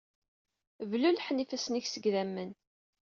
Blulḥen ifassen-ik seg idammen.